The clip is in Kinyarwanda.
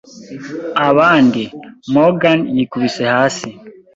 abandi; Morgan yikubise hasi.